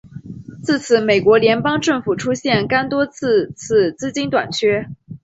自此美国联邦政府出现廿多次次资金短缺。